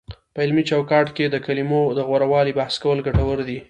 په علمي چوکاټ کې د کلمو د غوره والي بحث کول ګټور دی،